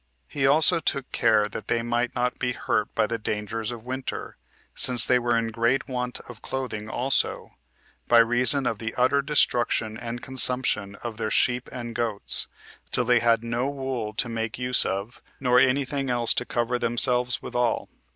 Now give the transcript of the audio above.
He also took care that they might not be hurt by the dangers of winter, since they were in great want of clothing also, by reason of the utter destruction and consumption of their sheep and goats, till they had no wool to make use of, nor any thing else to cover themselves withal.